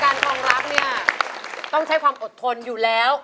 ทองรักเนี่ยต้องใช้ความอดทนอยู่แล้ว